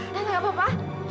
tante gak apa apa